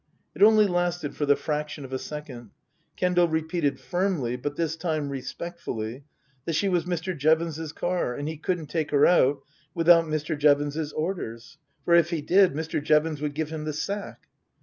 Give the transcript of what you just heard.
It only lasted for the fraction of a second. Kendal repeated firmly, but this time respectfully, that she was Mr. Jevons's car and he couldn't take her out without Mr. Jevons's orders, for if he did Mr. Jevons would give him the sack.